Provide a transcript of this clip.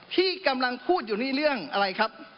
ที่กำลังพูดอยู่นี่เรื่องอะไรครับ